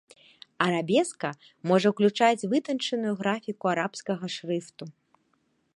Арабеска можа ўключаць вытанчаную графіку арабскага шрыфту.